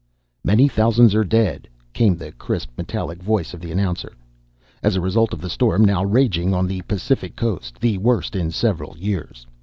"Many thousands are dead," came the crisp, metallic voice of the announcer, "as a result of the storm now raging on the Pacific coast, the worst in several years.